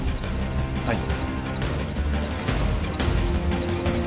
はい。